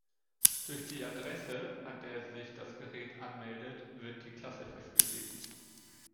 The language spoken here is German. Durch die Adresse, an der sich das Gerät anmeldet, wird die Klasse festgelegt.